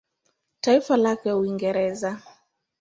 Taifa lake Uingereza.